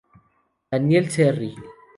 Daniel Cerri.